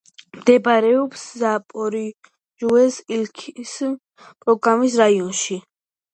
მდებარეობს ზაპოროჟიეს ოლქის პოლოგის რაიონში.